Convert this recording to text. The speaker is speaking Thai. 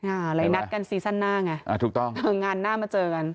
อะไรนัดกันซีซั่นหน้าไงถึงงานหน้ามาเจอกัน